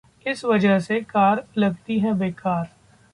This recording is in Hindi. इस वजह से कार लगती है बेकार!